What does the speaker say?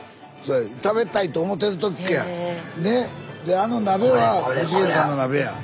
であの鍋は具志堅さんの鍋や。